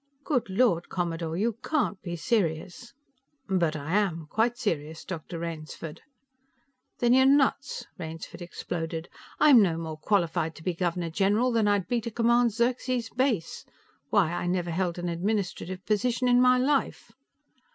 "Good Lord, Commodore; you can't be serious?" "But I am. Quite serious, Dr. Rainsford." "Then you're nuts!" Rainsford exploded. "I'm no more qualified to be Governor General than I'd be to command Xerxes Base. Why, I never held an administrative position in my life."